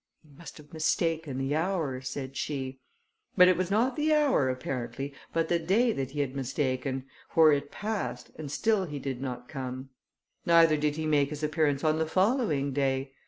"He must have mistaken the hour," said she. But it was not the hour apparently, but the day that he had mistaken, for it passed and still he did not come. Neither did he make his appearance on the following day.